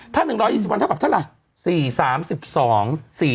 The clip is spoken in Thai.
ถ้า๑๒๐วันเท่ากับเท่าไหร่